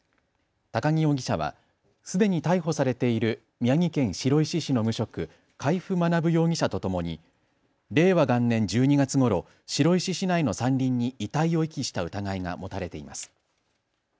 高木容疑者はすでに逮捕されている宮城県白石市の無職、海部学容疑者とともに令和元年１２月ごろ白石市内の山林に遺体を遺棄した疑いが持たれています。